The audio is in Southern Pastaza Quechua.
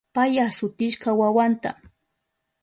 Pay asutishka wawanta.